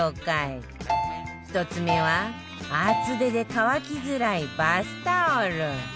１つ目は厚手で乾きづらいバスタオル